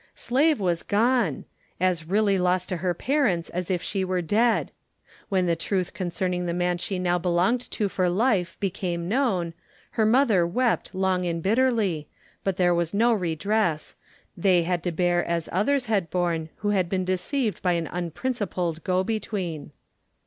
* Slave was gone! As really lost to her parents as if she were dead. When the truth concerning the man she now belonged to for life became known, her mother wept long and bitterly, but there was no redress; they had to bear as others had borne, who had been deceived by an unprincipled "go between."